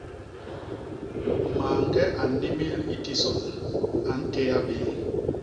Mañge a nnimil i tison, a ntéa béé.